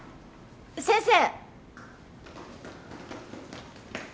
先生！